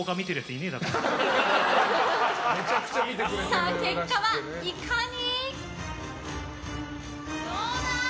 さあ、結果はいかに。